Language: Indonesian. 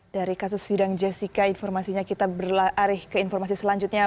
dari kasus sidang jessica informasinya kita berlari ke informasi selanjutnya